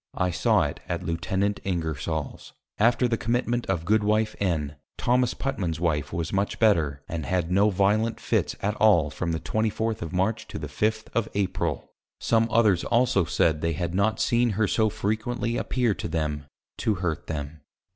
I saw it at Lieut. Ingersol's. After the Commitment of Goodw. N. Tho. Putman's Wife was much better, and had no violent Fits at all from that 24th. of March, to the 5th. of April. Some others also said they had not seen her so frequently appear to them, to hurt them.